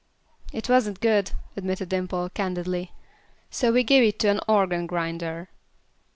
"It wasn't good," admitted Dimple, candidly; "so we gave it to an organ grinder."